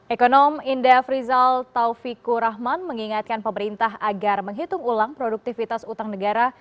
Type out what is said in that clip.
ekonom indef rizal taufikur rahman mengingatkan pemerintah agar menghitung ulang produktivitas utang negara